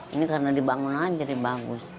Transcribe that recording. ini karena dibangun aja jadi bagus